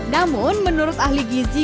namun menurut ahli gizi